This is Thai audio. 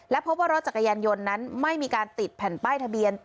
พบว่ารถจักรยานยนต์นั้นไม่มีการติดแผ่นป้ายทะเบียน